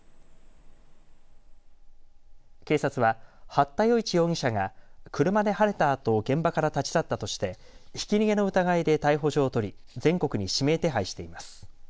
警察は八田與一容疑者が車ではねたあと現場から立ち去ったとしてひき逃げの疑いで逮捕状を取り全国に指名手配しています。